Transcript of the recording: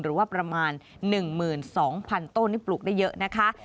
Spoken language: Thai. หรือว่าประมาณ๑๒๐๐๐ต้นนี่ปลูกได้เยอะนะคะ